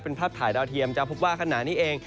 เป็นภาพถ่ายดาวเทียมจะพบว่าขณะนี้เอง